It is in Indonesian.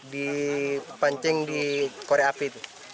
di pancing di korek api